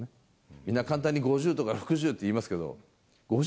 みんな簡単に５０とか、６０って言いますけれども、５０